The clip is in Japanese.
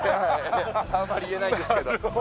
あまり言えないんですけど。